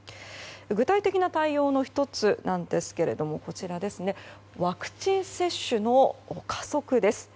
具体的な対応の１つですがワクチン接種の加速です。